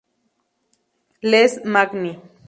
Les Magny